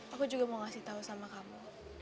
aku juga mau ngasih tahu sama kamu